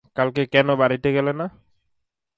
কালকে কেনো বাড়িতে গেলে না?